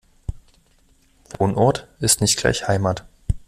Wohnort ist nicht gleich Heimat.